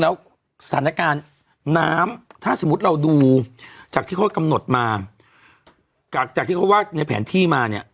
แล้วสถานการณ์น้ำถ้าสมมุติเราดูจากที่เขากำหนดมาจากจากที่เขาว่าในแผนที่มาเนี่ย